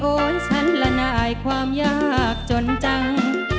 ฉันละนายความยากจนจัง